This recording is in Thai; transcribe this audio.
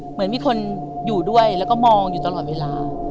เหมือนมีคนอยู่ด้วยแล้วก็มองอยู่ตลอดเวลา